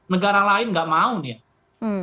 negara lain nggak mau dia